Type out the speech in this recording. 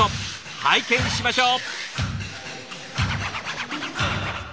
拝見しましょう！